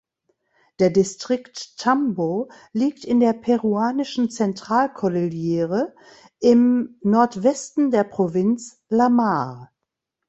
Der Distrikt Tambo liegt in der peruanischen Zentralkordillere im Nordwesten der Provinz La Mar.